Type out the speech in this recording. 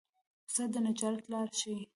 استاد د نجات لار ښيي.